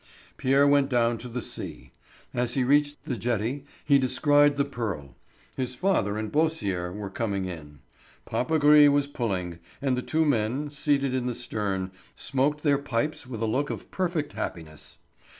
Pierre went down to the sea. As he reached the jetty he descried the Pearl; his father and Beausire were coming in. Papagris was pulling, and the two men, seated in the stern, smoked their pipes with a look of perfect happiness.